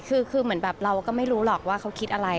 คือเหมือนแบบเราก็ไม่รู้หรอกว่าเขาคิดอะไร